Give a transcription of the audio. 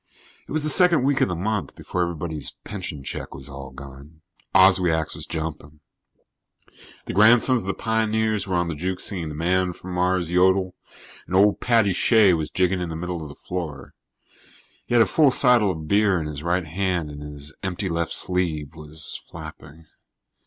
It was the second week of the month, before everybody's pension check was all gone. Oswiak's was jumping. The Grandsons of the Pioneers were on the juke singing the Man from Mars Yodel and old Paddy Shea was jigging in the middle of the floor. He had a full seidel of beer in his right hand and his empty left sleeve was flapping.